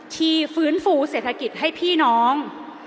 ที่ฟื้นฟูเศรษฐกิจให้พี่น้อง